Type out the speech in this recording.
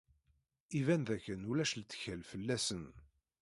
Iban dakken ulac lettkal fell-asen!